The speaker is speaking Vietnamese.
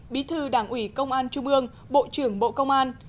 bí thư đảng ủy công an trung ương bộ trưởng bộ công an